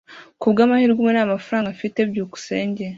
Kubwamahirwe, ubu ntamafaranga mfite. byukusenge